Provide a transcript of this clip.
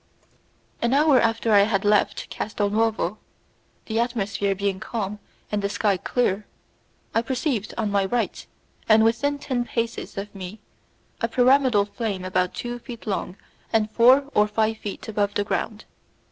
An hour after I had left Castel Nuovo, the atmosphere being calm and the sky clear, I perceived on my right, and within ten paces of me, a pyramidal flame about two feet long and four or five feet above the ground.